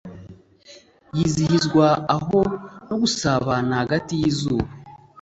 yizihizwa aho, no gusabana hagati yizuba.